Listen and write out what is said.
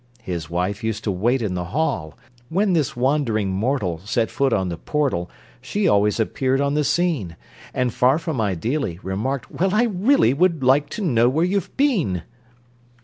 His wife used to wait in the hall! When this wandering mortal Set foot on the portal, She always appeared on the scene, And, far from ideally, Remarked: "Well, I really Would like to know where you have been!"